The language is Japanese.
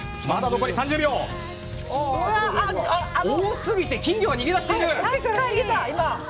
多すぎて金魚が逃げ出している。